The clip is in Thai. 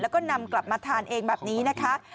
แล้วก็นำกลับมาทานเองแบบนี้นะคะ